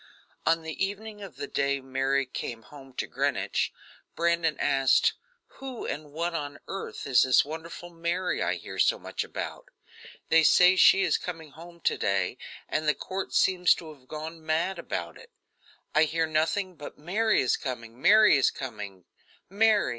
On the evening of the day Mary came home to Greenwich, Brandon asked: "Who and what on earth is this wonderful Mary I hear so much about? They say she is coming home to day, and the court seems to have gone mad about it; I hear nothing but 'Mary is coming! Mary is coming! Mary!